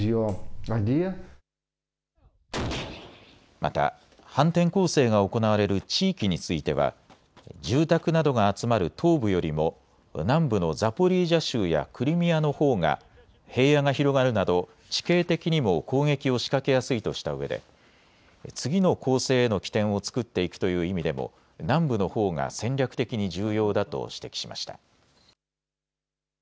また反転攻勢が行われる地域については住宅などが集まる東部よりも南部のザポリージャ州やクリミアのほうが平野が広がるなど地形的にも攻撃を仕掛けやすいとしたうえで次の攻勢への起点を作っていくという意味でも南部のほうが戦略的に重要だと指摘しました。